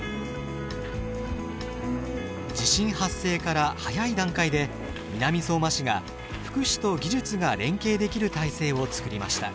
地震発生から早い段階で南相馬市が福祉と技術が連携できる体制を作りました。